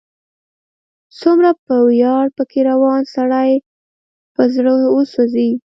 څومره په ویاړ، په کې روان، سړی په زړه وسوځي